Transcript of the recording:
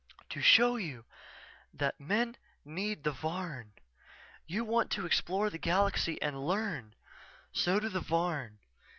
"_To show you that men need the Varn. You want to explore the galaxy, and learn. So do the Varn.